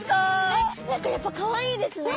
えっ何かやっぱかわいいですね。